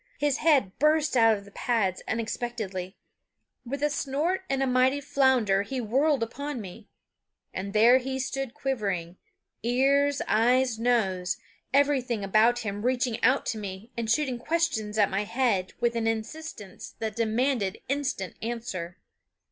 His head burst out of the pads unexpectedly; with a snort and a mighty flounder he whirled upon me; and there he stood quivering, ears, eyes, nose, everything about him reaching out to me and shooting questions at my head with an insistence that demanded instant answer.